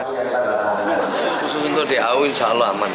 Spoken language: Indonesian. khusus untuk dau insya allah aman